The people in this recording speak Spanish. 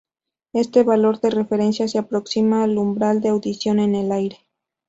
Este valor de referencia se aproxima al umbral de audición en el aire.